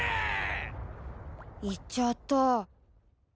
行っちゃった。